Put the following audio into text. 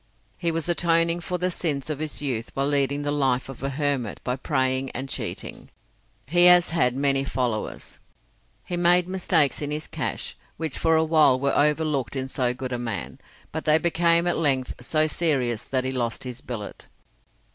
He was atoning for the sins of his youth by leading the life of a hermit by praying and cheating. He has had many followers. He made mistakes in his cash, which for a while were overlooked in so good a man, but they became at length so serious that he lost his billet.